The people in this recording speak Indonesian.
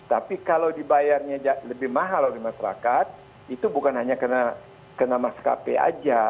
tapi kalau dibayarnya lebih mahal oleh masyarakat itu bukan hanya kena maskapai aja